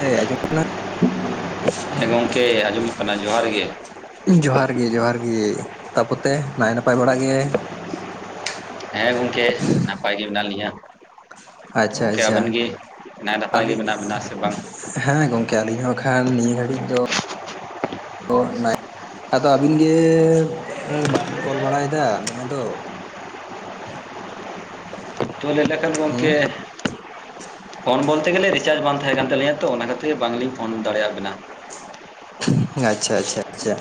ᱦᱮ ᱟᱸᱡᱚᱢ ᱮᱱᱟ ᱦᱮᱸ ᱜᱚᱝᱠᱮ ᱟᱸᱡᱚᱢᱚᱜ ᱠᱟᱱᱟ ᱡᱚᱦᱟᱨ ᱜᱮ ᱡᱚᱦᱟᱨ ᱜᱮ ᱡᱚᱦᱟᱨ ᱜᱮ ᱛᱟᱯᱚᱛᱮ ᱱᱟᱭ ᱱᱟᱯᱟᱭ ᱵᱟᱲᱟᱜ ᱜᱮ [inaudible] ᱦᱮᱸ ᱜᱚᱝᱠᱮ ᱱᱟᱯᱟᱭ ᱜᱮ ᱢᱮᱱᱟᱜ ᱞᱤᱧᱟᱹ [inaudible] ᱟᱪᱪᱷᱟ ᱜᱚᱢᱠᱮ ᱟᱪᱪᱷᱟ ᱟᱵᱮᱱ ᱜᱮ ᱱᱟᱭ ᱱᱟᱯᱟᱭ ᱜᱮ ᱟᱹᱞᱤᱧ ᱢᱮᱱᱟᱜ ᱵᱮᱱᱟ ᱥᱮ ᱵᱟᱝ ᱦᱮᱸ ᱜᱚᱝᱠᱮ ᱟᱹᱞᱤᱧ ᱦᱚᱸ ᱠᱷᱟᱱ ᱱᱤᱭᱟᱹ ᱜᱷᱟᱹᱲᱤᱡ ᱫᱚ ᱚ ᱱᱟ [unintelligible] ᱟᱫᱚ ᱟᱹᱵᱤᱱ ᱜᱮ ᱵᱟᱵᱤᱱ ᱠᱚᱞ ᱵᱟᱲᱟᱭᱮᱫᱟ ᱫᱚᱢᱮ ᱫᱚ [inaudible] ᱛᱚ ᱞᱟ. ᱭ ᱞᱮᱠᱷᱟᱱ ᱦᱩᱸ ᱜᱚᱝᱠᱮ ᱯᱷᱳᱱ ᱵᱚᱞᱛᱮ ᱜᱮᱞᱮ ᱨᱤᱪᱟᱡ ᱵᱟᱝ ᱛᱟᱦᱮᱸ ᱠᱟᱱ ᱛᱟᱹᱞᱤᱧᱟ ᱛᱚ ᱚᱱᱟ ᱠᱷᱟᱹᱛᱤᱨ ᱵᱟᱝᱞᱤᱧ ᱯᱷᱳᱱ ᱫᱟᱲᱮᱭᱟᱜ ᱵᱤᱱᱟ᱾ ᱟᱪᱪᱷᱟ ᱟᱪᱪᱷᱟ ᱟᱪᱪᱷᱟ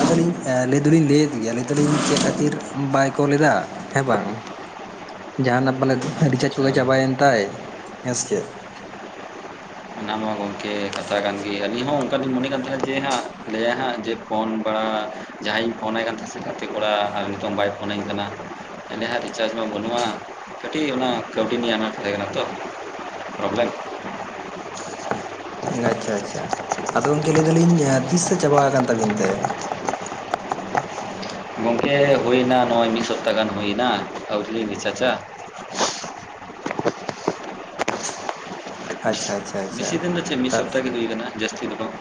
ᱟᱫᱚ ᱞᱤᱧ ᱮᱸ ᱞᱟᱹᱭ ᱫᱚᱞᱤᱧ ᱞᱟᱹᱭᱮᱫ ᱜᱮᱭᱟ ᱱᱤᱛᱚᱜ ᱱᱟᱦᱟᱜ ᱪᱮᱫ ᱠᱷᱟᱹᱛᱤᱨ ᱵᱟᱭ ᱠᱚᱞᱮᱫᱟ ᱦᱮᱸ ᱵᱟᱝ? ᱡᱟᱦᱟᱱᱟᱜ ᱯᱟᱞᱮᱫ ᱟᱪᱪᱷᱟ ᱨᱤᱪᱟᱨᱡᱽ ᱟᱪᱪᱷᱟ ᱠᱚᱜᱮ ᱪᱟᱵᱟᱭᱮᱱ ᱛᱟᱭ ᱦᱮᱸ ᱥᱮ ᱪᱮᱫ? ᱚᱱᱟᱢᱟ ᱜᱚ‌ᱝᱠᱮ ᱠᱟᱛᱷᱟ ᱠᱟᱱ ᱜᱮ ᱟᱹᱞᱤᱧ ᱦᱚᱸ ᱚᱱᱠᱟ ᱞᱤᱧ ᱢᱚᱱᱮᱜ ᱠᱟᱱ ᱛᱟᱦᱮᱸ ᱡᱮ ᱦᱟᱸᱜ ᱞᱟᱹᱭᱟ ᱦᱟᱸᱜ ᱡᱮ ᱯᱷᱳᱱ ᱵᱟᱲᱟ ᱡᱟᱦᱟᱸᱭ ᱤᱧ ᱯᱷᱳᱱᱟᱭ ᱠᱟᱱ ᱛᱟᱦᱮᱸ ᱥᱮ ᱜᱟᱛᱮ ᱠᱚᱲᱟ ᱟᱨ ᱱᱤᱛᱚᱝ ᱵᱟᱭ ᱯᱷᱳᱱᱟᱹᱧ ᱠᱟᱱᱟ ᱮᱱᱰᱮ ᱦᱟᱸᱜ ᱨᱤᱪᱟᱨᱡᱽ ᱢᱟ ᱵᱟᱹᱱᱩᱜᱼᱟ ᱠᱟᱹᱴᱤᱡ ᱚᱱᱟ ᱠᱟᱹᱣᱰᱤ ᱱᱤᱭᱟᱹ ᱟᱱᱟᱴ ᱛᱟᱦᱮᱸ ᱠᱟᱱᱟ ᱛᱚ ᱯᱨᱚᱵᱞᱮᱢ [inaudible] ᱟᱪᱪᱷᱟ ᱟᱪᱪᱷᱟ ᱟᱫᱚ ᱜᱚᱝᱠᱮ ᱞᱟᱹᱭ ᱫᱟᱞᱤᱧ ᱮᱸ ᱛᱤᱥ ᱥᱮ ᱪᱟᱵᱟ ᱟᱠᱟᱱ ᱛᱟᱵᱤᱱ ᱛᱮ? ᱜᱚᱝᱠᱮ ᱦᱩᱭᱮᱱᱟ ᱱᱚᱜᱼᱚᱭ ᱢᱤᱜ ᱥᱚᱯᱛᱟ ᱜᱟᱱ ᱦᱩᱭᱱᱟ ᱟᱹᱣᱨᱤ ᱞᱤᱧ ᱨᱤᱪᱟᱪᱼᱟ᱾ ᱟᱪᱪᱷᱟ ᱟᱹᱪᱷ ᱵᱮᱥᱤ ᱫᱤᱱ ᱫᱚ ᱪᱮᱜ ᱢᱤᱜ ᱥᱚᱯᱛᱟ ᱜᱮ ᱦᱩᱭ ᱟᱠᱟᱱᱟ, ᱡᱟᱹᱥᱛᱤ ᱫᱚ ᱵᱟᱝ᱾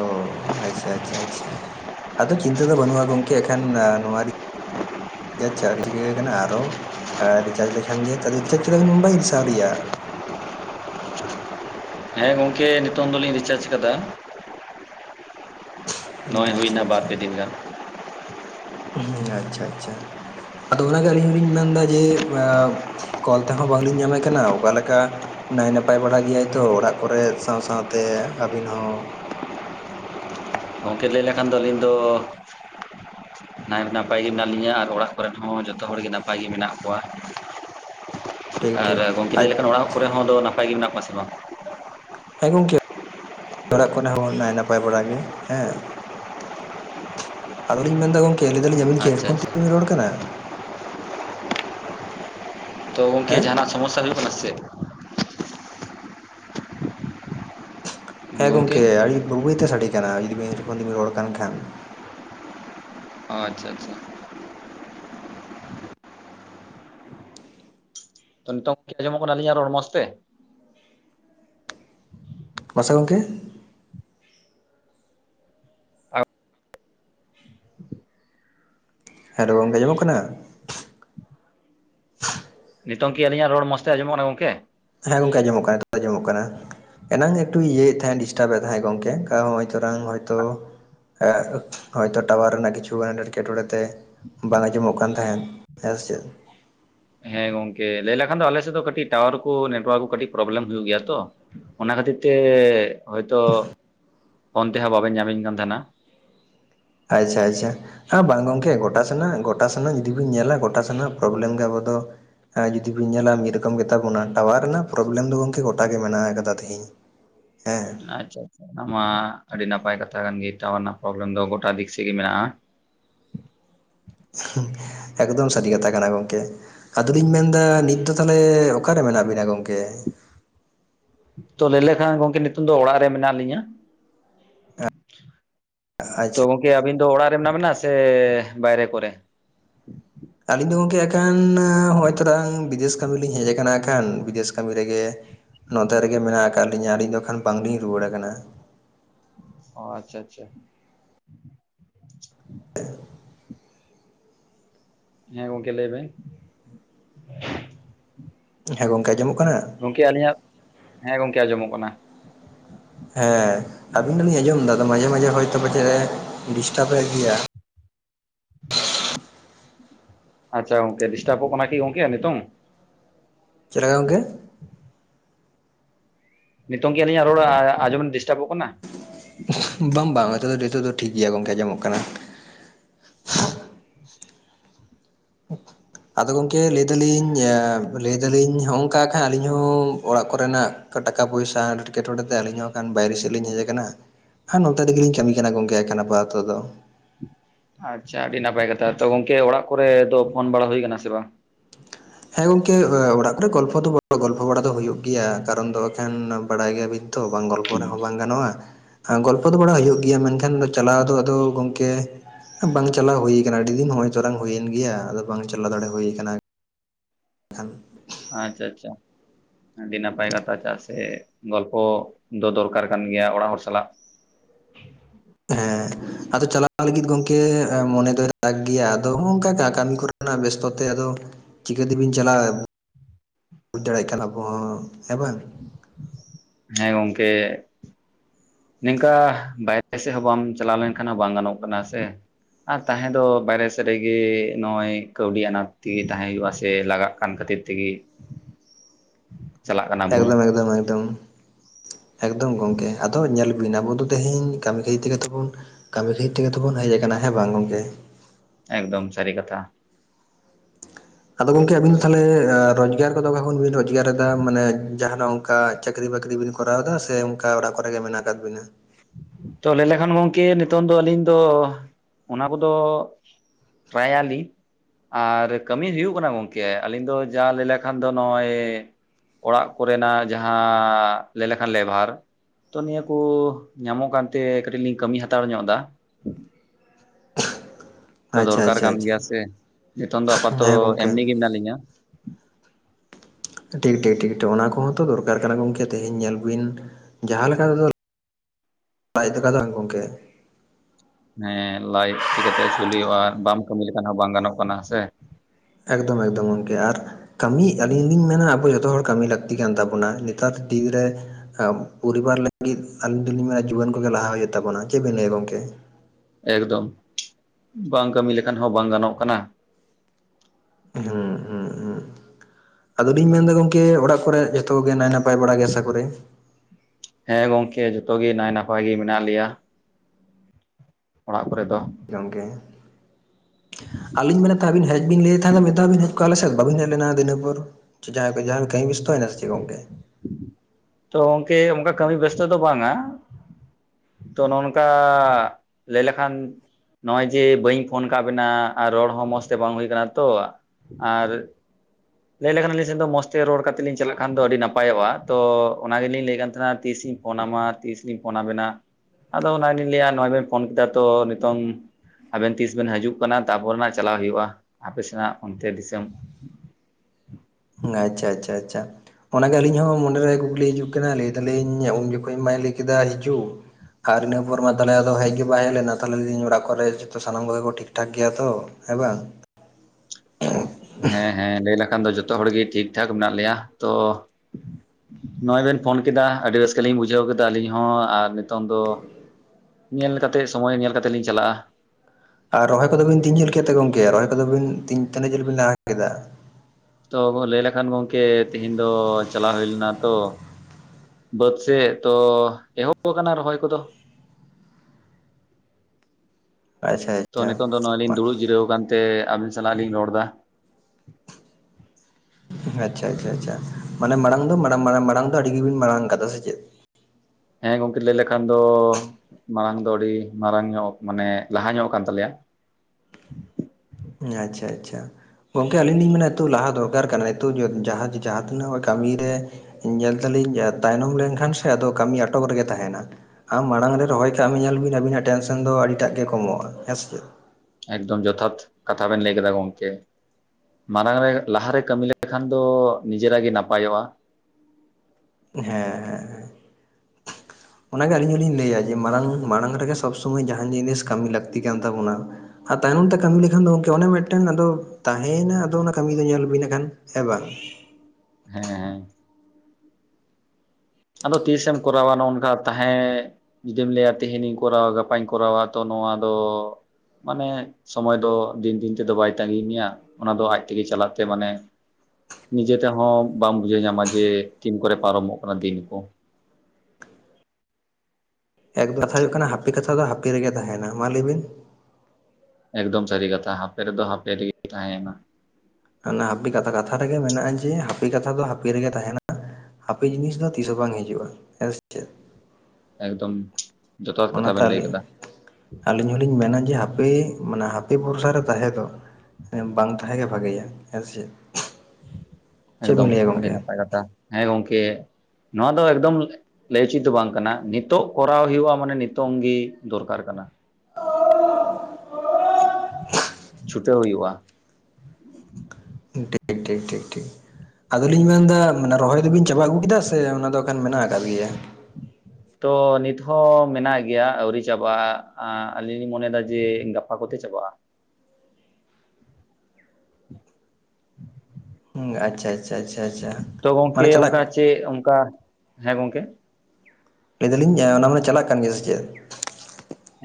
ᱚᱻ ᱟᱪᱪᱷᱟ ᱟᱪᱪᱷᱟ ᱟᱪᱪᱷᱟ᱾ ᱟᱫᱚ ᱪᱤᱱᱛᱟᱹ ᱫᱚ ᱵᱟᱹᱱᱩᱜᱼᱟ ᱜᱚᱢᱠᱮ ᱮᱠᱷᱟᱱ ᱱᱚᱣᱟᱼᱼ ᱟᱪᱪᱷᱟ, ᱪᱤᱠᱟᱹ ᱠᱟᱱᱟ ᱟᱨᱚ᱾ ᱟᱨ ᱨᱤᱪᱟᱨᱡᱽ ᱞᱮᱠᱷᱟᱱ ᱜᱮ [unintelligible] ᱵᱟᱹᱧ ᱥᱟᱺᱰᱤᱭᱟ᱾ ᱦᱮᱸ ᱜᱚᱝᱠᱮ ᱱᱤᱛᱚᱝ ᱫᱚ ᱞᱤᱧ ᱨᱤᱪᱟᱡᱽ ᱠᱟᱫᱟ᱾ ᱱᱚᱜᱼᱚᱭ ᱟᱪᱪᱷᱟ ᱦᱩᱭᱱᱟ ᱵᱟᱨ ᱯᱮ ᱫᱤᱱ ᱜᱟᱱ᱾ ᱦᱮᱸ ᱟᱪᱪᱷᱟ ᱟᱪᱪᱷᱟ ᱟᱫᱚ ᱚᱱᱟᱜᱮ ᱟᱹᱞᱤᱧ ᱦᱚᱞᱤᱧ ᱢᱮᱱ ᱮᱫᱟ ᱡᱮ ᱠᱚᱞ ᱛᱮᱦᱚᱸ ᱵᱟᱝ ᱞᱤᱧ ᱧᱟᱢᱮ ᱠᱟᱱᱟ ᱚᱠᱟ ᱞᱮᱠᱟ ᱱᱟᱭ ᱱᱟᱯᱟᱭ ᱵᱟᱲᱟ ᱜᱮᱭᱟᱭ ᱛᱚ ᱚᱲᱟᱜ ᱠᱚᱨᱮ ᱥᱟᱶ ᱥᱟᱶ ᱛᱮ ᱟᱹᱵᱤᱱ ᱦᱚᱸ ᱜᱚᱝᱠᱮ ᱞᱟᱹᱭ ᱞᱮᱠᱷᱟᱱ ᱫᱚ ᱟᱹᱞᱤᱧ ᱫᱚ ᱱᱟᱭ ᱱᱟᱯᱟᱭ ᱜᱮ ᱢᱮᱱᱟᱜ ᱞᱤᱧᱟᱹ ᱟᱨ ᱚᱲᱟᱜ ᱠᱚᱨᱮᱱ ᱦᱚᱸ ᱡᱚᱛᱚ ᱦᱚᱲᱜᱮ ᱱᱟᱯᱟᱭ ᱜᱮ ᱢᱮᱱᱟᱜ ᱠᱚᱣᱟ ᱴᱷᱤᱠ ᱟᱨ ᱴᱷᱤᱠ ᱮ ᱜᱚᱝᱠᱮ ᱞᱟᱹᱭ ᱟᱡ ᱞᱮᱠᱷᱟᱱ ᱚᱲᱟᱜ ᱠᱚᱨᱮ ᱦᱚᱸ ᱫᱚ ᱱᱟᱯᱟᱭ ᱜᱮ ᱢᱮᱱᱟᱜ ᱠᱚᱣᱟ ᱥᱮ ᱵᱟᱝ? ᱦᱮᱸ ᱜᱚᱝᱠᱮ [inaudible] ᱚᱲᱟᱜ ᱠᱚᱨᱮ ᱦᱚᱸ ᱱᱟᱭ ᱱᱟᱯᱟᱭ ᱵᱟᱲᱟ ᱜᱮ ᱦᱮᱸ ᱟᱫᱚ ᱞᱤᱧ ᱢᱮᱱᱫᱟ ᱜᱚᱢᱠᱮ ᱟᱵᱤᱱ ᱠᱤ ᱟᱪᱪᱷᱟ ᱦᱮᱰᱯᱷᱳᱱ ᱟᱪᱪᱷᱟ ᱛᱮᱵᱤᱱ ᱨᱚᱲ ᱠᱟᱱᱟ? ᱛᱚ ᱜᱚᱝᱢᱠᱮ ᱡᱟᱦᱟᱸᱱᱟᱜ ᱦᱮᱸ ᱥᱚᱢᱚᱥᱥᱟ ᱦᱩᱭ ᱠᱟᱱᱟ ᱥᱮ ᱪᱮᱫ? ᱦᱮᱸ ᱜᱚᱝᱠᱮ ᱜᱚᱢᱠᱮ ᱟᱹᱰᱤ ᱵᱟᱹᱼᱵᱟᱹᱭ ᱛᱮ ᱥᱟᱰᱤ ᱠᱟᱱᱟ ᱟᱼᱡᱩᱫᱤ ᱵᱤᱱ ᱦᱮᱰᱯᱷᱳᱱ ᱛᱮᱵᱤᱱ ᱨᱚᱲ ᱠᱟᱱ ᱠᱷᱟᱱ ᱚ ᱟᱪᱪᱷᱟ ᱟᱪᱪᱷᱟ ᱛᱚ ᱱᱤᱛᱚᱜ [unintelligible] ᱟᱸᱚᱢᱚᱜ ᱠᱟᱱᱟ ᱟᱞᱤᱧᱟᱜ ᱨᱚᱲ ᱢᱚᱥ ᱛᱮ? ᱵᱟ ᱥᱮ ᱜᱚᱝᱠᱮ᱾ ᱦᱮᱞᱳ ᱜᱳᱢᱠᱮ ᱟᱸᱡᱚᱝᱚᱜ ᱠᱟᱱᱟ ᱱᱤᱛᱚᱝ ᱠᱤ ᱟᱹᱞᱤᱧᱟᱜ ᱨᱚᱲ ᱢᱚᱥᱛᱮ ᱟᱸᱡᱚᱢᱚᱜ ᱠᱟᱱᱟ ᱜᱚᱝᱠᱮ? ᱦᱮᱸ ᱜᱚᱝᱠᱮ ᱟᱸᱚᱢᱚᱜ ᱠᱟᱱᱟ ᱟᱸᱡᱚᱢᱚᱜ ᱠᱟᱱᱟ᱾ ᱮᱱᱟᱝ ᱮᱠᱴᱩ ᱤᱭᱟᱹᱭᱮᱫ ᱛᱟᱦᱮᱸᱜ ᱰᱤᱥᱴᱟᱵᱮᱫ ᱛᱟᱦᱮᱸᱜ ᱜᱚᱝᱠᱮ ᱠᱟᱨᱚᱱ ᱱᱚᱜᱼᱚᱭ ᱛᱚᱨᱟ ᱦᱚᱭᱛᱳ ᱦᱚᱭᱛᱚ ᱴᱟᱣᱟᱨ ᱨᱮᱱᱟᱜ ᱠᱤᱪᱷᱩ ᱮᱴᱠᱮᱴᱚᱬᱮ ᱛᱮ ᱵᱟᱝ ᱟᱸᱡᱚᱢᱚᱜ ᱠᱟᱱ ᱛᱟᱦᱮᱫ ᱦᱮᱸ ᱥᱮ ᱪᱮᱫ ᱦᱮᱸ ᱜᱚᱝᱠᱮ ᱞᱟᱹᱭ ᱞᱮᱠᱷᱟᱱ ᱫᱚ ᱟᱞᱮ ᱥᱮᱫ ᱫᱚ ᱠᱟᱹᱴᱤᱡ ᱴᱟᱣᱟᱨ ᱠᱚ ᱱᱮᱴᱣᱟᱨᱠ ᱠᱚ ᱠᱟᱹᱴᱤᱡ ᱯᱨᱚᱵᱽᱞᱮᱢ ᱦᱩᱭᱩᱜ ᱜᱮᱭᱟ ᱛᱚ ᱚᱱᱟ ᱠᱷᱟᱹᱛᱤᱨ ᱛᱮ ᱦᱳᱭᱛᱚ ᱯᱷᱳᱱ ᱛᱮᱦᱚᱸ ᱵᱟᱵᱤᱱ ᱧᱟᱢᱤᱧ ᱠᱟᱱ ᱛᱟᱦᱮᱱᱟ ᱟᱪᱪᱷᱟ ᱟᱪᱪᱷᱟ᱾ ᱟᱨ ᱵᱟᱝ ᱜᱚᱝᱠᱮ ᱜᱳᱴᱟ ᱥᱮᱱᱟᱜ ᱜᱳᱴᱟ ᱥᱮᱱᱟᱜ ᱡᱩᱫᱤ ᱵᱚᱱ ᱧᱮᱞᱟ ᱜᱳᱴᱟ ᱥᱮᱱᱟᱜ ᱯᱨᱚᱵᱞᱮᱢ ᱜᱮ ᱟᱵᱚ ᱫᱚ ᱟ ᱡᱩᱫᱤ ᱵᱤᱱ ᱧᱮᱞᱟ ᱢᱤᱫ ᱨᱚᱠᱚᱢ ᱜᱮ ᱛᱟᱵᱚᱱᱟ ᱴᱟᱣᱟᱨ ᱨᱮᱱᱟᱜ ᱯᱨᱚᱵᱞᱮᱢ ᱫᱚ ᱜᱚᱝᱠᱮ ᱜᱚᱴᱟ ᱜᱮ ᱢᱮᱱᱟᱜ ᱟᱠᱟᱫᱟ ᱛᱤᱦᱤᱧ᱾ [inaudible] ᱦᱮᱸ ᱟᱪᱪᱷᱟ ᱟᱷᱟ ᱚᱱᱟ ᱢᱟ ᱟᱹᱰᱤ ᱱᱟᱯᱟᱭ ᱠᱟᱛᱷᱟ ᱠᱟᱱ ᱜᱮ ᱴᱟᱣᱟᱨ ᱨᱮᱱᱟᱜ ᱯᱨᱞᱮᱢ ᱫᱚ ᱜᱚᱴᱟ ᱫᱤᱠ ᱥᱮᱜᱮ ᱢᱮᱱᱟᱜᱼᱟ ᱮᱠᱫᱚᱢ ᱥᱟᱹᱨᱤ ᱠᱟᱛᱷᱟ ᱠᱟᱱᱟ ᱜᱚᱝᱠᱮ ᱟᱫᱚᱞᱤᱧ ᱢᱮᱱᱫᱟ ᱱᱤᱛ ᱫᱚ ᱛᱟᱦᱚᱞᱮ ᱚᱠᱟᱨᱮ ᱢᱮᱱᱟᱜ ᱵᱤᱱᱟ ᱜᱚᱝᱠᱮ? ᱛᱚ ᱞᱟᱹᱭ ᱞᱮᱠᱷᱟᱱ ᱜᱚᱝᱠᱮ ᱱᱤᱛᱚᱝ ᱫᱚ ᱚᱲᱟᱜ ᱨᱮ ᱢᱮᱱᱟᱜ ᱨᱮ ᱞᱤᱧᱟ᱾ ᱟᱪ ᱛᱚ ᱜᱚᱝᱠᱮ ᱟᱵᱤᱱ ᱫᱚ ᱚᱲᱟᱜ ᱨᱮ ᱢᱮᱱᱟᱜ ᱵᱤᱱᱟ ᱥᱮ ᱵᱟᱭᱨᱮ ᱠᱚᱨᱮ, ᱾ ᱟᱹᱞᱤᱧ ᱫᱚ ᱜᱚᱢᱠᱮ ᱮᱠᱷᱟᱱ ᱱᱚᱜᱼᱚᱭ ᱛᱷᱚᱲᱟ ᱵᱤᱫᱮᱥ ᱠᱟᱹᱢᱤ ᱨᱮ ᱞᱤᱧ ᱦᱮᱡ ᱠᱟᱱᱟ ᱟᱠᱷᱟᱱ ᱵᱤᱫᱮᱥ ᱠᱟᱹᱢᱤ ᱨᱮᱜᱮ, ᱾ ᱱᱚᱛᱮ ᱨᱮᱜᱮ ᱢᱮᱱᱟᱜ ᱟᱠᱟᱫ ᱞᱤᱧᱟᱹ ᱟᱹᱞᱤᱧ ᱫᱚ ᱠᱷᱟᱱ ᱵᱟᱝ ᱞᱤᱧ ᱨᱩᱣᱟᱹᱲ ᱟᱠᱟᱱᱟ, ᱾ ᱚ ᱟᱪᱪᱷᱟ ᱟᱪᱪᱷᱟ, ᱾ [inaudible] ᱦᱮᱸ ᱜᱚᱝᱠᱮ ᱞᱟᱹᱭᱵᱤᱱ?, ᱦᱮᱸ ᱜᱚᱝᱠᱮ ᱟᱸᱡᱚᱢᱚᱜ ᱠᱟᱱᱟ? ᱜᱚᱢᱠᱮ ᱟᱹᱞᱤᱧᱟᱜ ᱦᱮᱸ ᱜᱚᱝᱠᱮ ᱟᱸᱡᱚᱢᱚᱜ ᱠᱟᱱᱟ, ᱾ ᱦᱮᱸ ᱟᱵᱤᱱ ᱫᱚ ᱞᱤᱧ ᱟᱸᱡᱚᱢ ᱮᱫᱟ ᱟᱫᱚ ᱢᱟᱡᱷᱮ ᱢᱟᱡᱷᱮ ᱦᱚᱭᱛᱚ ᱯᱟᱪᱮᱫ ᱮ ᱰᱤᱥᱴᱟᱵ ᱮᱫ ᱜᱮᱭᱟ, ᱾ [inaudible] ᱟᱪᱪᱷᱟ ᱜᱚᱝᱠᱮ ᱰᱤᱥᱴᱟᱵ ᱚᱜ ᱠᱟᱱᱟ ᱠᱤ ᱜᱚᱝᱠᱮ ᱱᱤᱛᱚᱝ? ᱪᱮᱫ ᱞᱮᱠᱟ ᱜᱚᱝᱠᱮ? ᱱᱤᱛᱚᱝ ᱠᱤ ᱟᱹᱞᱤᱧᱟᱜ ᱨᱚᱲ ᱟᱸᱡᱚᱢ ᱛᱮ ᱰᱤᱥᱴᱟᱵ ᱚᱜ ᱠᱟᱱᱟ? ᱵᱟᱝ ᱵᱟᱝ ᱱᱤᱛᱚᱜ ᱫᱚ ᱱᱤᱛᱚᱜ ᱫᱚ ᱴᱷᱤᱠ ᱜᱮᱭᱟ ᱜᱚᱝᱠᱮ ᱟᱸᱡᱚᱢᱚᱜ ᱠᱟᱱᱟ, ᱾ [unintelligible] ᱟᱫᱚ ᱜᱚᱝᱠᱮ ᱞᱟᱹᱭ ᱫᱟᱞᱤᱧ ᱞᱟᱹᱭ ᱫᱟᱞᱤᱧ ᱦᱚᱸᱜ ᱚᱝᱠᱟ ᱠᱷᱟᱱ ᱟᱹᱞᱤᱧ ᱦᱚᱸ ᱚᱲᱟᱜ ᱠᱚᱨᱮ ᱱᱟᱜ ᱴᱟᱠᱟ ᱯᱚᱭᱥᱟ ᱮᱴᱠᱮ ᱴᱚᱬᱮ ᱛᱮ, ᱟᱹᱞᱤᱧ ᱦᱚᱸ ᱠᱷᱟᱱ ᱵᱟᱭᱨᱮ ᱥᱮᱫ ᱞᱤᱧ ᱦᱮᱡ ᱟᱠᱟᱱᱟ ᱦᱮᱸ ᱱᱚᱛᱮ ᱨᱮᱜᱮ ᱞᱤᱧ ᱠᱟᱹᱢᱤ ᱠᱟᱱᱟ ᱜᱚᱝᱠᱮ ᱮᱠᱷᱮᱱ ᱟᱯᱟ ᱛᱚᱛᱚ ᱫᱚ, ᱾ ᱟᱪᱪᱷᱟ ᱟᱹᱰᱤ ᱱᱟᱯᱟᱭ ᱠᱟᱛᱷᱟ ᱛᱚ ᱜᱚᱝᱠᱮ ᱚᱲᱟᱜ ᱠᱚᱨᱮ ᱫᱚ ᱯᱷᱳᱱ ᱵᱟᱲᱟ ᱦᱩᱭ ᱠᱟᱱᱟ ᱥᱮ ᱵᱟᱝ? ᱦᱮᱸ ᱜᱚᱝᱠᱮ ᱚᱲᱟᱜ ᱠᱚᱨᱮ ᱜᱚᱞᱯᱚ ᱫᱚ ᱜᱚᱞᱯᱚ ᱵᱟᱲᱟ ᱫᱚ ᱦᱩᱭᱩᱜ ᱜᱮᱭᱟ ᱠᱟᱨᱚᱱ ᱫᱚ ᱮᱠᱷᱟᱱ ᱵᱟᱲᱟᱭ ᱜᱮᱭᱟᱵᱤᱱ, ᱾ ᱛᱚ ᱵᱟᱝ ᱜᱚᱞᱯᱚ ᱨᱮᱦᱚᱸ ᱵᱟᱝ ᱜᱟᱱᱚᱜᱼᱟ, ᱾ ᱜᱚᱞᱯᱚ ᱫᱚ ᱵᱟᱲᱟ ᱦᱩᱭᱩᱜ ᱜᱮᱭᱟ ᱢᱮᱱᱠᱷᱟᱱ ᱪᱟᱞᱟᱣ ᱫᱚ ᱟᱫᱚ ᱜᱚᱢᱠᱮ, ᱵᱟᱝ ᱪᱟᱞᱟᱣ ᱦᱩᱭ ᱟᱠᱟᱱᱟ, ᱟᱹᱰᱤ ᱫᱤᱱ ᱦᱚᱸᱜ ᱚᱭ ᱛᱚᱨᱟ ᱦᱩᱭᱮᱱ ᱜᱮᱭᱟ ᱟᱫᱚ ᱵᱟᱝ ᱪᱟᱞᱟᱣ ᱫᱟᱲᱮ ᱦᱩᱭ ᱟᱠᱟᱱᱟ᱾ ᱠᱷᱟᱱ ᱟᱪᱪᱷᱟ ᱟᱪᱪᱷᱟ, ᱾ ᱟᱹᱰᱤ ᱱᱟᱯᱟᱭ ᱠᱟᱛᱷᱟ ᱪᱟᱜ ᱥᱮ ᱜᱚᱞᱯᱚ ᱫᱚ ᱫᱚᱨᱠᱟᱨ ᱠᱟᱱ ᱜᱮᱭᱟ ᱚᱲᱟᱜ ᱦᱚᱲ ᱥᱟᱞᱟᱜ, ᱦᱮᱸ ᱟᱫᱚ ᱪᱟᱞᱟᱣ ᱞᱟᱹᱜᱤᱫ ᱜᱚᱢᱠᱮ ᱢᱚᱱᱮ ᱫᱚᱭ ᱨᱟᱜ ᱜᱮᱭᱟ ᱟᱫᱚ ᱱᱚᱝᱠᱟ ᱠᱟᱹᱢᱤ ᱠᱚᱨᱮᱱᱟᱜ ᱵᱮᱥᱛᱚ ᱛᱮ ᱟᱫᱚ ᱪᱤᱠᱟᱹᱛᱮᱵᱤᱱ ᱪᱟᱞᱟᱜ-ᱟ ᱵᱩᱡᱽ ᱫᱟᱲᱮᱭᱟᱜ ᱠᱟᱱᱟ ᱵᱚᱱ‌ ᱦᱮᱸ ᱵᱟᱝ, ᱾ ᱦᱮᱸ ᱜᱚᱝᱠᱮ, ᱾ ᱱᱤᱝᱠᱟ ᱵᱟᱭᱨᱮ ᱥᱮᱫ ᱦᱚᱸ ᱵᱟᱢ ᱪᱟᱞᱟᱣ ᱞᱮᱱᱠᱷᱟᱱ ᱦᱚᱸ ᱵᱟᱝ ᱜᱟᱱᱚᱜ ᱠᱟᱱᱟ ᱦᱮᱸ ᱥᱮ, ᱟᱨ ᱛᱟᱦᱮᱸ ᱫᱚ ᱵᱟᱭᱨᱮ ᱥᱮᱫ ᱨᱮᱜᱮ ᱱᱚᱜᱼᱚᱭ ᱠᱟᱹᱣᱰᱤ ᱟᱱᱟᱴ ᱛᱮᱜᱮ ᱛᱟᱦᱮᱸ ᱦᱩᱭᱩᱜᱼᱟ ᱥᱮ ᱞᱟᱜᱟᱜ ᱠᱟᱱ ᱠᱷᱟᱹᱛᱤᱨ ᱛᱮᱜᱮ, ᱾ [inaudible] ᱮᱠᱫᱚᱢ ᱮᱠᱫᱚᱢ ᱮᱠᱫᱚᱢ ᱮᱠᱫᱚᱢ ᱜᱚᱢᱠᱮ ᱟᱫᱚ ᱧᱮᱞ ᱵᱤᱱ ᱟᱵᱚ ᱫᱚ ᱛᱮᱦᱮᱧ ᱠᱟᱹᱢᱤ ᱠᱷᱟᱹᱛᱤᱨ ᱛᱮᱜᱮ ᱛᱚᱵᱚᱱ ᱠᱟᱹᱢᱤ ᱠᱷᱟᱹᱛᱤᱨ ᱛᱮᱜᱮ ᱛᱮᱚᱵᱚᱱ ᱦᱮᱡ ᱟᱠᱟᱱᱟ ᱦᱮᱸ ᱵᱟᱝ ᱜᱚᱝᱠᱮ, ᱾ ᱮᱠᱫᱚᱢ ᱥᱟᱹᱨᱤ ᱠᱟᱛᱷᱟ, ᱟᱫᱚ ᱜᱚᱝᱠᱮ ᱟᱵᱤᱱ ᱫᱚ ᱛᱟᱦᱚᱞᱮ ᱨᱚᱡᱽᱜᱟᱨ ᱠᱚᱫᱚ ᱚᱠᱟ ᱠᱷᱚᱱ ᱵᱤᱱ ᱨᱚᱡᱽᱜᱟᱨ ᱮᱫᱟ ᱢᱟᱱᱮ ᱡᱟᱦᱱᱟᱜ ᱜᱚᱝ ᱚᱱᱠᱟ ᱪᱟᱹᱠᱨᱤ ᱵᱟᱹᱠᱨᱤ ᱵᱤᱱ ᱠᱚᱨᱟᱣ ᱫᱟ ᱥᱮ ᱚᱱᱠᱟ ᱚᱲᱟᱜ ᱠᱚᱨᱮ ᱜᱮ ᱢᱮᱱᱟᱜ ᱟᱠᱟᱫ ᱵᱤᱱᱟ, ᱾ ᱛᱚ ᱞᱟᱹᱭ ᱞᱮᱠᱷᱟᱱ ᱜᱚᱢᱠᱮ ᱱᱤᱛᱚᱝ ᱫᱚ ᱟᱹᱞᱤᱧ ᱫᱚ ᱚᱱᱟ ᱠᱚᱫᱚ ᱵᱟᱭᱟᱞᱤ, ᱟᱨ ᱠᱟᱹᱢᱤ ᱦᱩᱭᱩᱜ ᱠᱟᱱᱟ ᱜᱚᱝᱠᱮ ᱟᱞᱤᱧ ᱫᱚ ᱡᱟ ᱞᱟᱹᱭ ᱞᱮᱠᱷᱟᱱ ᱫᱚ ᱱᱚᱜᱼᱚᱭ ᱚᱲᱟᱜ ᱠᱚᱨᱮᱱᱟᱜ ᱡᱟᱦᱟᱸ ᱞᱟᱹᱭ ᱞᱮᱠᱷᱟᱱ ᱞᱮᱵᱷᱟᱨ ᱛᱚ ᱱᱤᱭᱟᱹ ᱠᱚ ᱧᱟᱢᱚᱜ ᱠᱟᱱᱛᱮ ᱠᱟᱹᱴᱤᱡ ᱞᱤᱧ ᱠᱟᱹᱢᱤ ᱦᱟᱛᱟᱲ ᱧᱚᱜ ᱫᱟ, ᱾ ᱛᱚ ᱟᱪᱪᱷᱟ ᱫᱚᱨᱠᱟᱨ ᱠᱟᱱ ᱟᱪᱪᱷᱟ ᱟᱪᱪᱷᱟ ᱜᱮᱭᱟ ᱥᱮ ᱱᱤᱛᱚᱝ ᱫᱚ ᱟᱯᱟᱛᱚ ᱦᱮᱸ ᱜᱚᱝᱠᱮ ᱮᱢᱱᱤ ᱜᱮ ᱢᱮᱱᱟᱜ ᱞᱤᱧᱟ, ᱴᱤᱨᱛᱮ ᱴᱤᱨᱛᱮ ᱚᱱᱟ ᱠᱚᱦᱚᱸ ᱛᱚ ᱫᱚᱨᱠᱟᱨ ᱠᱟᱱᱟ ᱜᱚᱢᱠᱮ ᱛᱮᱦᱤᱧ ᱧᱮᱞ ᱵᱤᱱ, ᱡᱟᱦᱟᱸ ᱞᱮᱠᱟ ᱛᱮᱫᱚ ᱞᱟᱡ ᱫᱚᱠᱟ ᱫᱚ ᱜᱚᱢᱠᱮ, [unintelligible] ᱦᱮᱸ ᱞᱟᱤᱵᱷ ᱪᱤᱠᱟᱹᱛᱮ ᱟ. ᱥᱩᱞ ᱦᱩᱭᱩᱜᱼᱟ ᱵᱟᱢ ᱠᱟᱹᱢᱤ ᱞᱮᱠᱷᱟᱱ ᱦᱚᱸ ᱵᱟᱝ ᱜᱟᱱᱚᱜ ᱠᱟᱱᱟ ᱦᱮᱸ ᱥᱮ, ᱮᱠᱫᱚᱢ ᱮᱠᱫᱚᱢ ᱜᱚᱢᱠᱮ ᱟᱨ ᱠᱟᱹᱢᱤ ᱟᱹᱞᱤᱧ ᱞᱤᱧ ᱢᱮᱱᱟ ᱟᱵᱚ ᱡᱚᱛᱚ ᱦᱚᱲ ᱠᱟᱹᱢᱤ ᱞᱟᱹᱠᱛᱤ ᱠᱟᱱ ᱛᱟᱵᱚᱱᱟ ᱱᱮᱛᱟᱨ ᱫᱤᱠ ᱨᱮ, ᱦᱮᱸ ᱯᱚᱨᱤᱵᱟᱨ ᱞᱟᱹᱜᱤᱫ ᱟᱹᱞᱤᱧ ᱫᱚᱞᱤᱧ ᱢᱮᱱᱟ ᱡᱩᱣᱟᱹᱱ ᱠᱚᱜᱮ ᱞᱟᱦᱟ ᱦᱩᱭᱩᱜ ᱛᱟᱵᱚᱱᱟ ᱪᱮᱫ ᱵᱤᱱ ᱞᱟᱹᱭᱟ ᱜᱚᱝᱠᱮ? ᱮᱠᱫᱚᱢ ᱵᱟᱝ ᱠᱟᱹᱢᱤ ᱞᱮᱠᱷᱟᱱ ᱦᱚᱸ ᱵᱟᱝ ᱜᱟᱱᱚᱜ ᱠᱟᱱᱟ, ᱾ ᱦᱩᱸ ᱦᱩᱸ ᱦᱩᱸ, ᱟᱫᱚ ᱞᱤᱧ ᱢᱮᱱᱫᱟ ᱜᱚᱝᱠᱮ ᱚᱲᱟᱜ ᱠᱚᱨᱮ ᱡᱷᱚᱛᱚ ᱠᱚᱜᱮ ᱱᱟᱭ ᱱᱟᱯᱟᱭ ᱵᱟᱲᱟ ᱜᱮ ᱟᱥᱟ ᱠᱚᱨᱮ ᱦᱮᱸ ᱜᱚᱝᱠᱮ ᱡᱚᱛᱚ ᱜᱮ ᱱᱟᱭ ᱱᱟᱯᱟᱭ ᱜᱮ ᱢᱮᱱᱟᱜ ᱞᱮᱭᱟ᱾ ᱚᱲᱟᱜ ᱠᱚᱨᱮ ᱫᱚ ᱜᱚᱝᱠᱮ ᱟᱹᱞᱤᱧ ᱢᱮᱱᱮᱫ ᱛᱟᱦᱮ ᱟᱵᱤᱱ ᱦᱮᱡ ᱵᱤᱱ ᱞᱟᱹᱭᱮᱫ ᱛᱟᱦᱮᱱᱟ ᱫᱷᱟ ᱵᱤᱱ ᱦᱮᱡ ᱠᱚᱜᱼᱟ ᱟᱞᱮ ᱥᱮᱫ ᱵᱟᱵᱤᱱ ᱦᱮᱡ ᱞᱮᱱᱟ ᱟᱫᱚ ᱤᱱᱟᱹ ᱯᱚᱨ [unintelligible] ᱡᱟᱦᱟᱸᱭ ᱵᱮᱸᱡᱟᱭ ᱠᱟᱹᱢᱤ ᱵᱮᱥᱛᱚᱭᱮᱱᱟ ᱥᱮ ᱜᱚᱝᱠᱮ? ᱛᱚ ᱜᱚᱝᱠᱮ ᱚᱱᱠᱟ ᱠᱟᱹᱢᱤ ᱵᱮᱥᱛᱚ ᱫᱚ ᱵᱟᱝᱼᱟ᱾ ᱛᱚ ᱱᱚᱜ ᱱᱚᱝᱠᱟ ᱞᱟᱹᱭ ᱞᱮᱠᱷᱟᱱ ᱱᱚᱜᱼᱚᱭ ᱡᱮ ᱵᱟᱹᱧ ᱯᱷᱳᱱ ᱠᱟᱫ ᱵᱮᱱᱟ ᱟᱨ ᱨᱚᱲ ᱦᱚᱸ ᱢᱚᱸᱡᱽ ᱛᱮ ᱵᱟᱝ ᱦᱩᱭ ᱠᱟᱱᱟ ᱛᱚ᱾ ᱟᱨ ᱻ ᱞᱟᱹᱭ ᱞᱮᱠᱷᱟᱱ ᱟᱹᱞᱤᱧ ᱥᱮᱱ ᱫᱚ ᱢᱚᱡᱽ ᱛᱮ ᱨᱚᱲ ᱠᱟᱛᱮᱫ ᱞᱤᱧ ᱪᱟᱞᱟᱜ ᱠᱷᱟᱱ ᱫᱚ ᱟᱹᱰᱤ ᱱᱟᱯᱟᱭᱚᱜᱼᱟ ᱛᱚ᱾ ᱚᱱᱟ ᱜᱮᱞᱤᱧ ᱞᱟᱹᱭᱮᱫ ᱠᱟᱱ ᱛᱟᱦᱮᱱᱟ ᱛᱤᱥᱤᱧ ᱯᱷᱳᱱ ᱟᱢᱟ ᱛᱤᱥ ᱞᱤᱧ ᱯᱷᱳᱱᱟ ᱟᱵᱮᱱᱟ ᱟᱫᱚ ᱚᱱᱟ ᱜᱮᱞᱤᱧ ᱞᱟᱹᱭᱟ ᱱᱚᱜ-ᱚᱭ ᱵᱮᱱ ᱯᱷᱳᱱ ᱠᱮᱫᱟ ᱛᱚ ᱱᱤᱛᱚᱝ ᱟᱵᱮᱱ ᱛᱤᱥ ᱵᱮᱱ ᱦᱤᱡᱩᱜ ᱠᱟᱱᱟ ᱛᱟᱨᱯᱚᱨᱱᱟᱜ ᱪᱟᱞᱟᱣ ᱦᱩᱭᱩᱜᱼᱟ ᱟᱯᱮ ᱥᱮᱱᱟᱜ ᱚᱱᱛᱮ ᱫᱤᱥᱚᱢ ᱟᱪᱪᱷᱟ ᱟᱪᱪᱷᱟ ᱟᱪᱪᱷᱟ, ᱚᱱᱟᱜᱮ ᱟᱹᱞᱤᱧ ᱦᱚᱸ ᱢᱚᱱᱮᱨᱮ ᱠᱩᱠᱞᱤ ᱦᱤᱡᱩᱜ ᱠᱟᱱᱟ ᱞᱟᱹᱭ ᱫᱟᱞᱤᱧ ᱩᱱ ᱡᱚᱠᱷᱚᱱ ᱢᱟᱭ ᱞᱟᱹᱭ ᱠᱮᱫᱟ ᱦᱤᱡᱩᱜ ᱟᱨ ᱤᱱᱟᱹ ᱯᱚᱨ ᱢᱟ ᱛᱟᱦᱚᱞᱮ ᱟᱫᱚ ᱦᱮᱡ ᱜᱮ ᱵᱟᱭ ᱦᱮᱡ ᱞᱮᱱᱟ ᱛᱟᱦᱚᱞᱮ ᱞᱟᱹᱭ ᱫᱟᱹᱧ ᱚᱲᱟᱜ ᱠᱚᱨᱮ ᱡᱚᱛᱚ ᱥᱟᱱᱟᱢ ᱠᱚᱜᱮ ᱠᱚ ᱴᱷᱤᱠ ᱴᱷᱟᱠ ᱜᱮᱭᱟ ᱛᱚ ᱦᱮᱸ ᱵᱟᱝ ᱦᱮᱸ ᱦᱮᱸ ᱞᱟᱹᱭ ᱞᱮᱠᱷᱟᱱ ᱫᱚ ᱡᱚᱛᱚ ᱦᱚᱲ ᱜᱮ ᱴᱷᱤᱠ ᱴᱷᱟᱠ ᱢᱮᱱᱟᱜ ᱞᱮᱭᱟ ᱛᱚ ᱱᱚ-ᱜᱚᱭ ᱵᱮᱱ ᱯᱷᱳᱱ ᱠᱮᱫᱟ ᱟᱹᱰᱤ ᱨᱟᱹᱥᱠᱟᱹ ᱞᱤᱧ ᱵᱩᱡᱷᱟᱹᱣ ᱠᱮᱫᱟ ᱟᱹᱞᱤᱧ ᱦᱚᱸ ᱟᱨ ᱱᱤᱛᱚᱝ ᱫᱚ ᱧᱮᱞ ᱠᱟᱛᱮᱫ ᱥᱚᱢᱚᱭ ᱧᱮᱞ ᱠᱟᱛᱮᱫ ᱞᱤᱧ ᱪᱟᱞᱟᱜᱼᱟ᱾ ᱟᱨ ᱨᱚᱦᱚᱭ ᱠᱚᱫᱚ ᱵᱤᱱ ᱛᱤᱱ ᱡᱷᱟᱹᱞ ᱠᱮᱫᱟ ᱜᱚᱝᱠᱮ? ᱨᱚᱦᱚᱭ ᱠᱚᱫᱚ ᱵᱤᱱ ᱛᱤᱱ ᱛᱤᱱᱟᱹᱜ ᱡᱷᱟᱹᱞ ᱵᱤᱱ ᱞᱟᱦᱟ ᱠᱮᱫᱟ? ᱛᱚ ᱞᱟᱹᱭ ᱞᱮᱠᱷᱟᱱ ᱜᱚᱢᱠᱮ ᱛᱤᱦᱤᱧ ᱫᱚ ᱪᱟᱞᱟᱣ ᱦᱩᱭ ᱞᱮᱱᱟ ᱛᱚ ᱵᱟᱹᱫᱽ ᱥᱮᱫ ᱛᱚ ᱮᱦᱚᱵ ᱟᱠᱟᱱᱟ ᱨᱚᱦᱚᱭ ᱠᱚᱫᱚ᱾ ᱟᱪᱪᱷᱟ ᱛᱚ ᱟᱪᱪᱷᱟ ᱱᱤᱛᱚᱝ ᱫᱚ ᱱᱚᱜ-ᱚᱭ ᱞᱤᱧ ᱫᱩᱲᱩᱵ ᱡᱤᱨᱟᱹᱣ ᱟᱠᱟᱱᱛᱮ ᱟᱵᱤᱱ ᱥᱟᱞᱟᱜ ᱞᱤᱧ ᱨᱚᱲ ᱫᱟ ᱟᱪᱪᱷᱟ ᱟᱪᱪᱷᱟ ᱟᱪᱪᱷᱟ ᱢᱟᱱᱮ ᱢᱟᱲᱟᱝ ᱫᱚ ᱢᱟᱲᱟᱝ ᱢᱟᱲᱟᱝ ᱫᱚ ᱟᱹᱰᱤ ᱜᱮ ᱵᱤᱱ ᱢᱟᱲᱟᱝ ᱠᱟᱫᱟ ᱥᱮ ᱪᱮᱫ? ᱦᱮᱸ ᱜᱚᱢᱠᱮ ᱞᱟᱹᱭ ᱞᱮᱠᱷᱟᱱ ᱫᱚ ᱢᱟᱲᱟᱝ ᱫᱚ ᱟᱹᱰᱤ ᱢᱟᱨᱟᱝ ᱧᱚᱜ ᱢᱟᱱᱮ ᱞᱟᱦᱟ ᱧᱚᱜ ᱠᱟᱱ ᱛᱟᱞᱮᱭᱟ᱾ ᱟᱪᱪᱷᱟ ᱟᱪᱪᱷᱟ ᱜᱚᱢᱠᱮ ᱟᱞᱤᱧ ᱞᱤᱧ ᱢᱮᱱᱟ ᱱᱤᱛᱚᱜ ᱞᱟᱦᱟ ᱫᱚᱨᱠᱟᱨ ᱠᱟᱱᱟ ᱱᱤᱛᱚᱜ ᱡᱟᱦᱟᱸ ᱡᱟᱦᱟᱸ ᱛᱤᱱᱟᱹᱜ ᱠᱟᱹᱢᱤᱨᱮ ᱧᱮᱞ ᱫᱟᱞᱤᱧ ᱛᱟᱭᱱᱚᱢ ᱞᱮᱱᱠᱷᱟᱱ ᱥᱮ ᱟᱫᱚ ᱠᱟᱹᱢᱤ ᱟᱴᱚᱠ ᱨᱮᱜᱮ ᱛᱟᱦᱮᱱᱟ ᱟᱢ ᱢᱟᱲᱟᱝ ᱨᱮ ᱨᱚᱦᱚᱭ ᱠᱟᱜ ᱢᱮ ᱧᱮᱞ ᱵᱤᱱ ᱟᱵᱤᱱᱟᱜ ᱴᱮᱱᱥᱮᱱ ᱫᱚ ᱟᱹᱰᱤᱴᱟᱜ ᱜᱮ ᱠᱚᱢᱚᱜᱼᱟ ᱦᱮᱸ ᱥᱮ ᱪᱮᱫ? ᱮᱠᱫᱚᱢ ᱡᱚᱛᱷᱟᱛ ᱠᱟᱛᱷᱟ ᱵᱮᱱ ᱞᱟᱹᱭ ᱠᱮᱫᱟ ᱜᱚᱢᱠᱮ᱾ ᱢᱟᱲᱟᱝ ᱨᱮ ᱞᱟᱦᱟᱨᱮ ᱠᱟᱹᱢᱤ ᱞᱮᱱᱠᱷᱟᱱ ᱫᱚ ᱱᱤᱡᱮᱨᱟᱜ ᱜᱮ ᱱᱟᱯᱟᱭᱚᱜᱼᱟ᱾ ᱦᱮᱸ ᱦᱮᱸ ᱦᱮᱸ, ᱚᱱᱟᱜᱮ ᱟᱹᱞᱤᱧ ᱦᱚᱞᱤᱧ ᱞᱟᱹᱭᱟ ᱡᱮ ᱢᱟᱲᱟᱝ ᱢᱟᱲᱟᱝ ᱨᱮᱜᱮ ᱥᱚᱵ ᱥᱚᱢᱚᱭ ᱡᱟᱦᱟᱱ ᱡᱤᱱᱤᱥ ᱠᱟᱹᱢᱤ ᱞᱟᱹᱠᱛᱤ ᱠᱟᱱ ᱛᱟᱵᱚᱱᱟ ᱟᱨ ᱛᱟᱭᱱᱚᱢ ᱛᱮ ᱠᱟᱹᱢᱤ ᱞᱮᱠᱷᱟᱱ ᱫᱚ ᱜᱚᱢᱠᱮ ᱚᱱᱮ ᱢᱤᱫᱴᱮᱱ ᱟᱫᱚ ᱛᱟᱦᱮᱸᱭᱮᱱᱟ ᱟᱫᱚ ᱚᱱᱟ ᱠᱟᱹᱢᱤ ᱫᱚ ᱧᱮᱞᱵᱤᱱ ᱟᱠᱷᱟᱱ ᱦᱮᱸ ᱵᱟᱝ ᱦᱮᱸ ᱦᱮᱸ ᱟᱫᱚ ᱛᱤᱥᱮᱢ ᱠᱚᱨᱟᱣᱟ? ᱱᱚᱜᱼᱚ ᱱᱚᱝᱠᱟ ᱛᱟᱸᱦᱮ ᱡᱩᱫᱤᱢ ᱞᱟᱹᱭᱟ ᱛᱮᱦᱮᱧᱤᱧ ᱠᱚᱨᱟᱣᱟ ᱜᱟᱯᱟᱧ ᱠᱚᱨᱟᱣᱟ ᱛᱚ ᱱᱚᱣᱟ ᱫᱚ ᱢᱟᱱᱮ ᱥᱚᱢᱚᱭ ᱫᱚ ᱫᱤᱱ ᱫᱤᱱ ᱛᱮᱫᱚ ᱵᱟᱭ ᱛᱟᱹᱜᱤ ᱢᱮᱭᱟ᱾ ᱚᱱᱟ ᱫᱚ ᱟᱡ ᱛᱮᱜᱮ ᱪᱟᱞᱟᱜ ᱛᱮ ᱢᱟᱱᱮ ᱱᱤᱡᱮ ᱛᱮᱦᱚᱸ ᱵᱟᱢ ᱵᱩᱡᱷᱟᱹᱣ ᱧᱟᱢᱟ ᱡᱮ ᱛᱤᱱ ᱠᱚᱨᱮ ᱯᱟᱨᱚᱢᱚᱜ ᱠᱟᱱᱟ ᱫᱤᱱ [unintelligible] ᱮᱠᱫᱚᱢ ᱠᱟᱛᱷᱟ ᱦᱩᱭᱩᱜ ᱠᱟᱱᱟ ᱦᱟᱯᱤ ᱠᱟᱛᱷᱟ ᱫᱚ ᱦᱟᱯᱤ ᱨᱮᱜᱮ ᱛᱟᱦᱮᱱᱟ ᱢᱟ ᱞᱟᱹᱭ ᱵᱤᱱ ᱮᱠᱫᱚᱢ ᱥᱟᱹᱨᱤ ᱠᱟᱛᱷᱟ ᱦᱟᱯᱮ ᱨᱮᱫᱚ ᱦᱟᱯᱮ ᱨᱮᱜᱮ ᱛᱟᱸᱦᱮᱭᱮᱱᱟ ᱚᱱᱟ ᱦᱟᱯᱮ ᱠᱟᱛᱷᱟ ᱠᱟᱛᱷᱟ ᱨᱮᱜᱮ ᱢᱮᱱᱟᱜᱼᱟ᱾ ᱡᱮ ᱦᱟᱯᱮ ᱠᱟᱛᱷᱟ ᱫᱚ ᱦᱟᱯᱮ ᱨᱮᱜᱮ ᱛᱟᱦᱮᱱᱟ᱾ ᱦᱟᱯᱮ ᱡᱤᱱᱤᱥ ᱫᱚ ᱛᱤᱥ ᱦᱚᱸ ᱵᱟᱝ ᱦᱤᱡᱩᱜᱼᱟ ᱦᱮᱸ ᱥᱮ ᱪᱮᱫ? ᱮᱠᱫᱚᱢ ᱡᱚᱛᱷᱟᱛ ᱠᱟᱛᱷᱟ ᱚᱱᱟᱛᱮ ᱵᱮᱱ ᱞᱟᱹᱭ ᱟᱹᱞᱤᱧ, ᱠᱟᱫᱟ ᱟᱹᱞᱤᱧ ᱦᱚᱸᱞᱤᱧ ᱢᱮᱱᱟ ᱡᱮ ᱦᱟᱯᱮ ᱢᱟᱱᱮ, ᱦᱟᱯᱮ ᱵᱷᱚᱨᱥᱟ ᱨᱮ ᱛᱟᱦᱮᱸ ᱫᱚ ᱵᱟᱝ ᱛᱟᱦᱮᱸ ᱜᱮ ᱵᱷᱟᱜᱮᱭᱟ ᱾ᱦᱮ ᱥᱮ ᱪᱮᱫ? ᱪᱮᱫ ᱵᱤᱱ ᱮᱠᱫᱚᱢ ᱞᱟᱹᱭᱟ ᱟᱹᱰᱤ ᱜᱚᱝᱠᱮ ᱱᱟᱯᱟᱭ ᱠᱟᱛᱷᱟ ᱦᱮᱸ ᱜᱚᱝᱠᱮ ᱱᱚᱣᱟ ᱫᱚ ᱮᱠᱫᱚᱢ ᱞᱟᱹᱭ ᱩᱪᱤᱫ ᱫᱚ ᱵᱟᱝ ᱠᱟᱱᱟ ᱱᱤᱛᱚᱜ ᱠᱚᱨᱟᱣ ᱦᱩᱭᱩᱜᱼᱟ, ᱢᱟᱱᱮ ᱱᱤᱛᱚᱝ ᱜᱮ ᱫᱚᱨᱠᱟᱨ ᱠᱟᱱᱟ᱾ ᱪᱷᱩᱴᱟᱹᱣ ᱦᱩᱭᱩᱜᱼᱟ᱾ ᱴᱷᱤᱠ ᱴᱷᱤᱠ ᱴᱷᱤᱠ ᱴᱷᱤᱠ ᱟᱫᱚᱞᱤᱧ ᱢᱮᱱ ᱮᱫᱟ ᱢᱟᱱᱮ ᱨᱚᱦᱚᱭ ᱫᱚᱵᱤᱱ ᱪᱟᱵᱟ ᱟᱹᱜᱩ ᱠᱮᱫᱟ ᱥᱮ ᱚᱱᱟ ᱫᱚ ᱠᱷᱟᱱ ᱢᱮᱱᱟᱜ ᱟᱠᱟᱫ ᱜᱮᱭᱟ ᱛᱚ ᱱᱤᱛ ᱦᱚᱸ ᱢᱮᱱᱟᱜ ᱜᱮᱭᱟ ᱟᱹᱣᱨᱤ ᱪᱟᱵᱟᱜᱼᱟ, ᱟᱹᱞᱤᱧ ᱞᱤᱧ ᱢᱚᱱᱮᱭᱮᱫᱟ ᱡᱮ ᱜᱟᱯᱟ ᱠᱚᱛᱮ ᱪᱟᱵᱟᱜᱼᱟ᱾ ᱦᱩᱸ ᱟᱪᱪᱷᱟ ᱟᱪᱪᱷᱟ ᱟᱪᱪᱷᱟ ᱟᱪᱪᱷᱟ ᱛᱚ ᱜᱚᱝᱠᱮ, ᱢᱟᱱᱮ ᱪᱟᱞᱟᱜ ᱚᱱᱠᱟ ᱪᱮᱫ ᱚᱱᱠᱟ, ᱦᱮᱸ ᱜᱚᱝᱠᱮ ᱞᱟᱹᱭ ᱫᱟᱞᱤᱧ ᱚᱱᱟ ᱢᱟᱱᱮ ᱪᱟᱞᱟᱜ ᱠᱟᱱ ᱜᱮᱭᱟ ᱥᱮ ᱪᱮᱫ?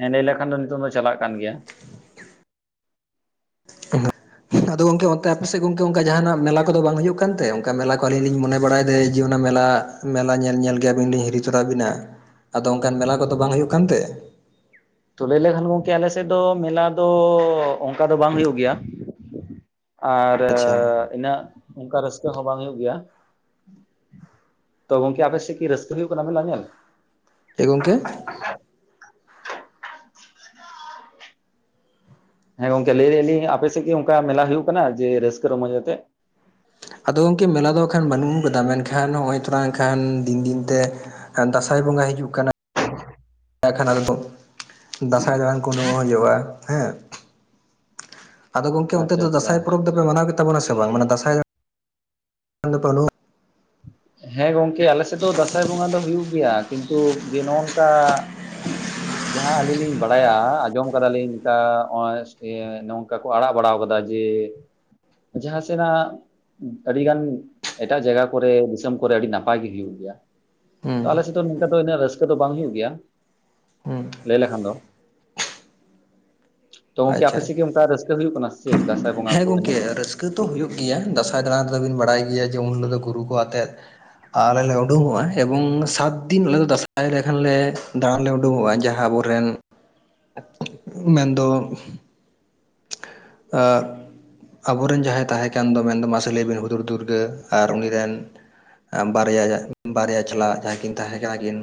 ᱦᱮᱸ ᱞᱟᱹᱭ ᱞᱮᱠᱷᱟᱱ ᱫᱚ ᱱᱤᱛᱚᱜ ᱫᱚ ᱪᱟᱞᱟᱜ ᱠᱟᱱ ᱜᱮᱭᱟ᱾ [unintelligible] ᱟᱫᱚ ᱜᱚᱢᱠᱮ ᱚᱱᱛᱮ ᱟᱯᱮ ᱥᱮᱫ ᱜᱚᱝᱠᱮ ᱚᱱᱠᱟ ᱡᱟᱦᱟᱱᱟᱜ ᱢᱮᱞᱟ ᱠᱚᱫᱚ ᱵᱟᱝ ᱦᱩᱭᱩᱜ ᱠᱟᱱᱛᱮ, ᱚᱱᱠᱟ ᱢᱮᱞᱟ ᱠᱚ ᱟᱞᱤᱧ ᱞᱤᱧ ᱢᱚᱱᱮ ᱵᱟᱲᱟᱭᱮᱫᱟᱹ ᱡᱮ ᱚᱱᱟ ᱢᱮᱞᱟ, ᱢᱮᱞᱟ ᱧᱮᱞ ᱧᱮᱞ ᱜᱮ ᱟᱹᱵᱤᱱ ᱞᱤᱧ ᱦᱤᱨᱤ ᱛᱚᱨᱟ ᱵᱤᱱᱟ ᱟᱫᱚ ᱚᱱᱠᱟᱱ ᱢᱮᱞᱟ ᱠᱚᱫᱚ ᱵᱟᱝ ᱦᱩᱭᱩᱜ ᱠᱟᱱᱛᱮ ᱛᱚᱵᱮ ᱞᱟᱹᱭ ᱞᱮᱠᱷᱟᱱ ᱜᱚᱢᱠᱮ ᱟᱞᱮ ᱥᱮᱫ ᱫᱚ ᱢᱮᱞᱟ ᱫᱚ ᱚᱱᱠᱟ ᱫᱚ ᱵᱟᱝ ᱦᱩᱭᱩᱜ ᱜᱮᱭᱟ᱾ ᱟᱨ ᱟᱪᱪᱷᱟ ᱤᱱᱟᱹᱜ ᱚᱱᱠᱟ ᱨᱟᱹᱥᱠᱟᱹ ᱦᱚᱸ ᱵᱟᱝ ᱦᱩᱭᱩᱜ ᱜᱮᱭᱟ᱾ ᱛᱚ ᱜᱚᱝᱠᱮ ᱟᱯᱮ ᱥᱮ ᱠᱤ ᱨᱟᱹᱥᱠᱟᱹ ᱦᱩᱭᱩᱜ ᱠᱟᱱᱟ ᱢᱮᱞᱟ ᱧᱮᱞ ᱮ ᱜᱚᱢᱠᱮ ᱦᱮᱸ ᱜᱚᱝᱠᱮ ᱞᱟᱹᱭ ᱫᱟᱞᱤᱧ ᱟᱯᱮ ᱥᱮᱫ ᱠᱤ ᱚᱱᱠᱟ ᱢᱮᱞᱟ ᱦᱩᱭᱩᱜ ᱠᱟᱱᱟ ᱡᱮ ᱨᱟᱹᱥᱠᱟᱹ ᱨᱚᱢᱚᱡ ᱟᱛᱮᱜ ᱟᱫᱚ ᱜᱚᱢᱠᱮ ᱢᱮᱞᱟ ᱫᱚ ᱠᱷᱟᱱ ᱵᱟᱹᱱᱩᱜ ᱠᱟᱫᱟ ᱢᱮᱱᱠᱷᱟᱱ ᱱᱚᱜᱼᱚᱭ ᱛᱷᱚᱲᱟ ᱮᱱᱠᱷᱟᱱ ᱫᱤᱱ ᱫᱤᱱ ᱛᱮ ᱫᱟᱸᱥᱟᱭ ᱵᱚᱸᱜᱟᱭ ᱦᱤᱡᱩᱜ ᱠᱟᱱᱟ ᱮᱠᱷᱟᱱ ᱟᱫᱚ ᱠᱚ ᱫᱟᱸᱥᱟᱭ ᱫᱟᱲᱟᱱ ᱠᱚ [unintelligible] ᱟᱫᱚ ᱜᱚᱝᱠᱮ ᱛᱮ ᱟᱪᱪᱷᱟ ᱫᱚ ᱟᱪᱪᱷᱟ ᱫᱟᱸᱥᱟᱭ ᱯᱚᱨᱚᱵᱽ ᱫᱚᱯᱮ ᱢᱟᱱᱟᱣ ᱜᱮᱛᱟ ᱵᱚᱱᱟ ᱥᱮ ᱵᱟᱝ? ᱢᱟᱱᱮ ᱫᱟᱸᱥᱟᱭ [unintelligible] ᱦᱮᱸ ᱜᱚᱝᱠᱮ ᱟᱞᱮ ᱥᱮᱫ ᱫᱚ ᱫᱟᱸᱥᱟᱭ ᱵᱚᱸᱜᱟ ᱫᱚ ᱦᱩᱭᱩᱜ ᱜᱮᱭᱟ᱾ ᱠᱤᱱᱛᱩ ᱡᱮ ᱱᱚᱝᱠᱟ ᱡᱟᱦᱟᱸ ᱟᱹᱞᱤᱧ ᱞᱤᱧ ᱵᱟᱲᱟᱭᱟ, ᱟᱸᱡᱚᱢ ᱠᱟᱫᱟᱞᱤᱧ ᱠᱟ ᱱᱚᱜᱼᱚᱭ ᱱᱚᱝᱠᱟ ᱟᱲᱟᱜ ᱵᱟᱲᱟᱣ ᱠᱟᱫᱟ ᱡᱮ ᱡᱟᱦᱟᱸ ᱥᱮᱱᱟᱜ ᱟᱹᱰᱤ ᱜᱟᱱ ᱮᱴᱟᱜ ᱡᱟᱭᱜᱟ ᱠᱚᱨᱮ ᱫᱤᱥᱚᱢ ᱠᱚᱨᱮ ᱟᱹᱰᱤ ᱱᱟᱯᱟᱭ ᱜᱮ ᱦᱩᱭᱩᱜ ᱜᱮᱭᱟ᱾ ᱦᱩᱸ ᱛᱚ ᱟᱞᱮ ᱥᱮᱫ ᱫᱚ ᱱᱚᱝᱠᱟ ᱫᱚ ᱩᱱᱟᱹᱜ ᱨᱟᱹᱥᱠᱟᱹ ᱫᱚ ᱵᱟᱝ ᱦᱩᱭᱩᱜ ᱜᱮᱭᱟ ᱦᱩᱸ ᱞᱟᱹᱭ ᱞᱮᱠᱷᱟᱱ ᱫᱚ ᱛᱚ ᱜᱚᱢᱠᱮ ᱟᱯᱮ ᱟᱪᱪᱷᱟ ᱥᱮᱫ ᱜᱮ ᱚᱱᱠᱟ ᱨᱟᱹᱥᱠᱟᱹ ᱦᱩᱭᱩᱜ ᱠᱟᱱᱟ ᱪᱮᱫ ᱵᱚᱸᱜᱟ ᱦᱮᱸ ᱠᱚ ᱮᱱᱮᱡ? ᱜᱚᱢᱠᱮ ᱨᱟᱹᱥᱠᱟᱹ ᱫᱚ ᱦᱩᱭᱩᱜ ᱜᱮᱭᱟ, ᱫᱟᱸᱥᱟᱭ ᱫᱟᱲᱟ ᱛᱮᱫᱚ ᱵᱤᱱ ᱵᱟᱲᱟᱭ ᱜᱮᱭᱟ ᱡᱮ, ᱩᱱ ᱦᱤᱞᱳᱜ ᱫᱚ ᱜᱩᱨᱩ ᱠᱚ ᱟᱛᱮᱜ ᱟᱞᱮᱞᱮ ᱩᱰᱩᱝᱚᱜᱼᱟ ᱮᱵᱚᱝ ᱥᱟᱛ ᱫᱤᱱ ᱟᱞᱮ ᱫᱚ ᱫᱟᱸᱥᱟᱭ ᱞᱮᱠᱷᱟᱱ ᱞᱮ ᱫᱟᱬᱟᱱ ᱞᱮ ᱩᱰᱩᱠᱚᱜᱼᱟ ᱡᱟᱦᱟᱸ ᱟᱵᱚᱨᱮᱱ ᱢᱮᱱ ᱫᱚ [unintelligible] ᱟᱵᱚᱨᱮᱱ ᱡᱟᱦᱟᱸᱭ ᱛᱟᱦᱮᱸ ᱠᱟᱱ ᱫᱚ ᱢᱮᱱᱫᱚ ᱢᱟᱥᱮ ᱞᱟᱹᱭ ᱵᱤᱱ ᱦᱩᱫᱩᱨ ᱫᱩᱨᱜᱟᱹ ᱟᱨ ᱩᱱᱤ ᱨᱮᱱ ᱵᱟᱨᱭᱟ ᱵᱟᱨᱭᱟ ᱪᱟᱞᱟᱜ ᱡᱟᱦᱟᱸᱭ ᱠᱤᱱ ᱛᱟᱦᱮᱸ ᱠᱟᱱᱟ ᱠᱤᱱ